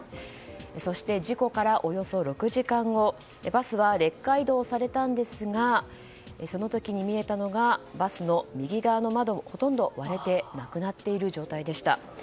そして事故から、およそ６時間後バスはレッカー移動されたんですがその時に見えたのがバスの右側の窓もほとんど割れてなくなっている状態でした。